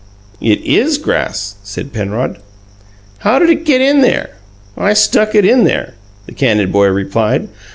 "It IS grass," said Penrod. "How'd it get there?" "I stuck it in there," the candid boy replied.